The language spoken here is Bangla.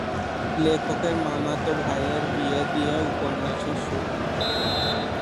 লেখকের মামাতো ভাইয়ের বিয়ে দিয়ে উপন্যাসের শুরু।